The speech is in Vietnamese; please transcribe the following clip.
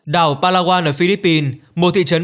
đảo palawan ở philippines một thị trấn